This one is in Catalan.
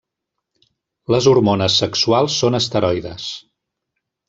Les hormones sexuals són esteroides.